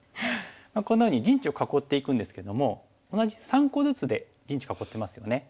こんなふうに陣地を囲っていくんですけども同じ３個ずつで陣地囲ってますよね。